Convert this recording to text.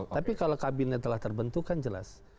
tapi kalau kabinet telah terbentuk kan jelas